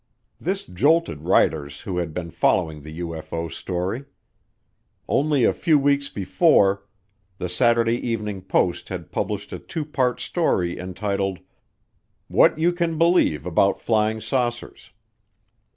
This jolted writers who had been following the UFO story. Only a few weeks before, The Saturday Evening Post had published a two part story entitled "What You Can Believe about Flying Saucers."